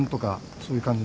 そういう感じの。